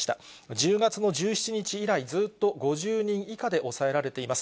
１０月の１７日以来、ずっと５０人以下で抑えられています。